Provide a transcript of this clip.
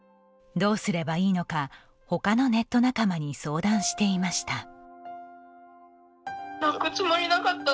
どうすればいいのか、ほかのネット仲間に相談していました。